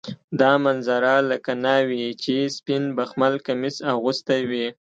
دا منظره لکه ناوې چې سپین بخمل کمیس اغوستی وي.